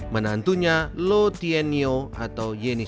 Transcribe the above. menantunya lo tien nyo atau yenis